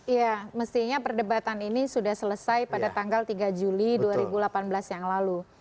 ya mestinya perdebatan ini sudah selesai pada tanggal tiga juli dua ribu delapan belas yang lalu